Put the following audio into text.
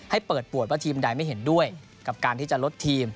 ให้เปิดปวดว่าทีมใดไม่เห็นด้วยกับการที่จะลดทีม